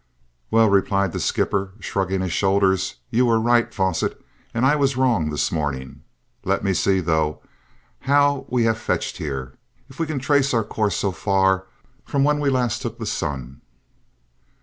"Well," replied the skipper, shrugging his shoulders, "you were right, Fosset, and I was wrong this morning. Let me see, though, how we have fetched here, if we can trace our course so far, from when we last took the sun."